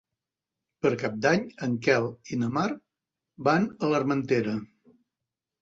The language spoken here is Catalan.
Per Cap d'Any en Quel i na Mar van a l'Armentera.